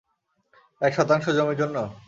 এক শতাংশ জমির জন্য?